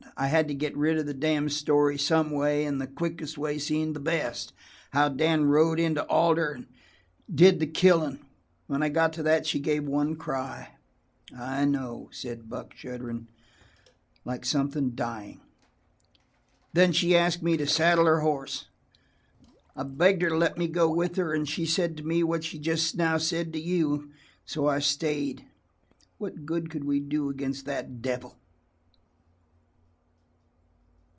I had to get rid of the damned story some way, and the quickest way seemed the best how Dan rode into Alder and did the killing. "When I got to that she gave one cry." "I know," said Buck, shuddering. "Like something dying." "Then she asked me to saddle her horse. I begged her to let me go with her, and she said to me what she just now said to you. And so I stayed. What good could we do against that devil?"